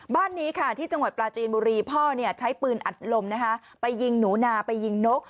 บ้านนี้ค่ะที่จังหวัดปลาจีนบุรีพ่อใช้ปืนอัดลมไปยิงหนูนาไปยิงนก